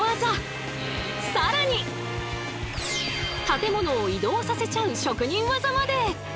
建物を移動させちゃう職人技まで！